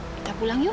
kita pulang yuk